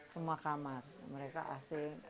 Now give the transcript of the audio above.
semua kamar mereka ac